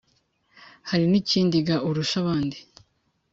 hari n' ikindi ga urusha abandi